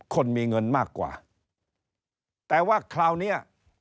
คนมีเงินมากกว่าแต่ว่าคราวเนี้ย